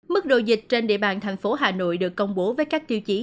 mức độ dịch trên địa bàn thành phố hà nội được công bố với các tiêu chí